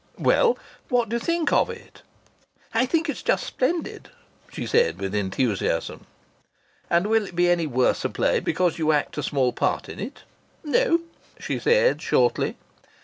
"Well, what do you think of it?" "I think it's just splendid!" said she with enthusiasm. "And will it be any worse a play because you act a small part in it?" "No," she said shortly.